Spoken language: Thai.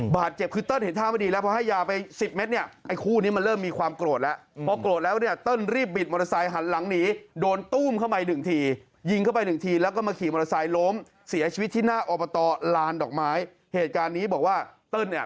บาดเจ็บคือเติ้ลเห็นทางไม่ดีแล้วพอให้ยาไป๑๐เมตรเนี่ย